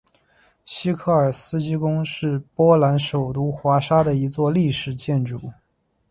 西科尔斯基宫是波兰首都华沙的一座历史建筑。